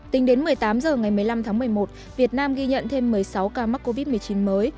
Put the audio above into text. tính đến một mươi tám h ngày một mươi năm tháng một mươi một việt nam ghi nhận thêm một mươi sáu ca mắc covid một mươi chín mới